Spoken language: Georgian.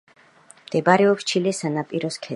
მდებარეობს ჩილეს სანაპიროს ქედზე.